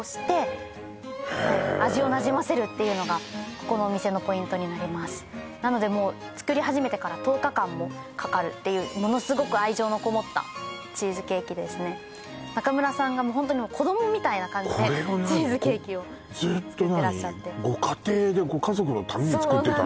ここのお店のポイントになりますなのでもう作り始めてから１０日間もかかるっていうものすごく愛情のこもったチーズケーキですね中村さんがもうホントに子どもみたいな感じでこれを何ずっと何チーズケーキを作ってらっしゃってご家庭でご家族のために作ってたの？